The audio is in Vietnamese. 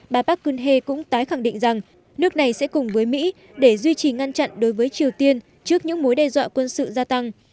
bà parkune cũng tái khẳng định rằng nước này sẽ cùng với mỹ để duy trì ngăn chặn đối với triều tiên trước những mối đe dọa quân sự gia tăng